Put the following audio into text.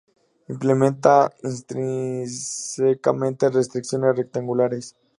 Implementa intrínsecamente restricciones rectangulares.